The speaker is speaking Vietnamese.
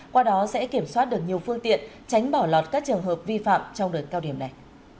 qua đó sẽ kiểm soát được nhiều phương tiện tránh bỏ lọt các trường hợp vi phạm trong đợt cao điểm này